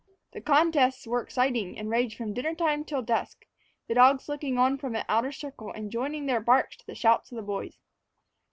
The contests were exciting and raged from dinner time till dusk, the dogs looking on from an outer circle and joining their barks to the shouts of the boys.